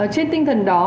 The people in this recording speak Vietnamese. trên tinh thần